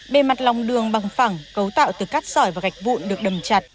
bề mặt lòng đường bằng phẳng cấu tạo từ cát sỏi và gạch vụn được đầm chặt